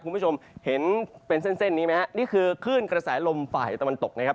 คุณผู้ชมเห็นเป็นเส้นเส้นนี้ไหมฮะนี่คือคลื่นกระแสลมฝ่ายตะวันตกนะครับ